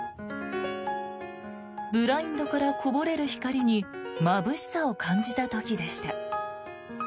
ブラインドからこぼれる光にまぶしさを感じた時でした。